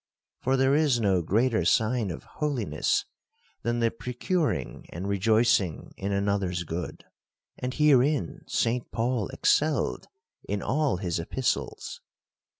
For there is no greater sign of holiness, than the procuring and rejoicing in another's good. And herein St. Paul excelled, in all his epistles.